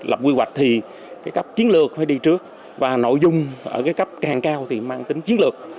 lập quy hoạch thì cái cấp chiến lược phải đi trước và nội dung ở cái cấp càng cao thì mang tính chiến lược